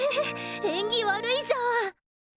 縁起悪いじゃん！